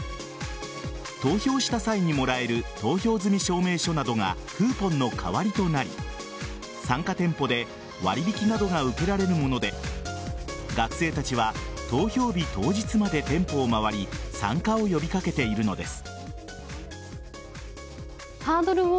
投票した際にもらえる投票済証明書などがクーポンの代わりとなり参加店舗で割引などが受けられるもので学生たちは投票日当日まで店舗を回り参加を呼び掛けているのです。